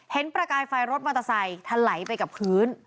ประกายไฟรถมอเตอร์ไซค์ทะไหลไปกับพื้น